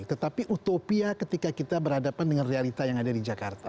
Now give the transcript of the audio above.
tetapi utopia ketika kita berhadapan dengan realita yang ada di jakarta